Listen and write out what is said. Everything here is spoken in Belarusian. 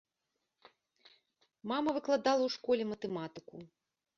Мама выкладала ў школе матэматыку.